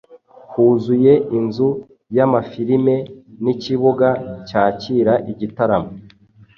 Huzuye inzu y’amafilime n’ikibuga cyakira igitaramo